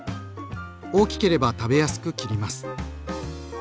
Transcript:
大きければ食べやすく切ります。